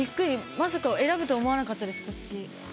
まさか選ぶとは思わなかったです。